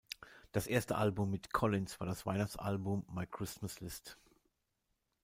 Das erste Album mit Collins war das Weihnachtsalbum "My Christmas List".